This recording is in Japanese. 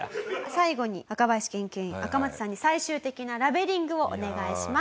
最後に若林研究員アカマツさんに最終的なラベリングをお願いします。